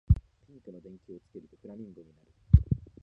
ピンクの電球をつけるとフラミンゴになる